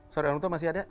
sorry orang tua masih ada